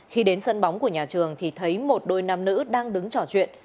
khi đến sân bóng của nhà trường thì thấy một đôi nam nữ đang đứng trò chuyện